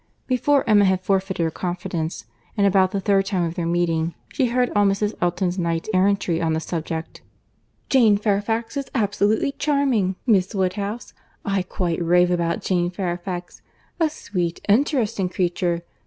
—Before Emma had forfeited her confidence, and about the third time of their meeting, she heard all Mrs. Elton's knight errantry on the subject.— "Jane Fairfax is absolutely charming, Miss Woodhouse.—I quite rave about Jane Fairfax.—A sweet, interesting creature.